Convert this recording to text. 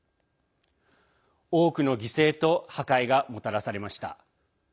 多くの犠牲と破壊がもたらされました。